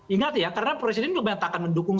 ingat ya karena presiden tidak akan mendukung